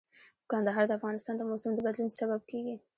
کندهار د افغانستان د موسم د بدلون سبب کېږي.